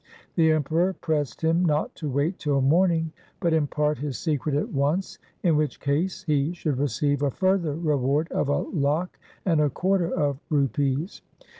The Emperor pressed him not to wait till morning but impart his secret at once, in which case he should receive a further reward of a lakh and a quarter of rupees.